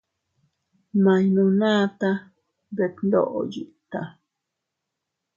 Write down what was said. Ma iynunata detndoʼo yiʼita.